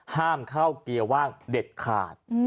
ห้ามเข้าเกียร์ว่างเด็ดขาด